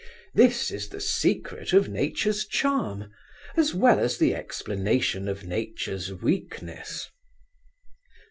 This is the secret of Nature's charm, as well as the explanation of Nature's weakness.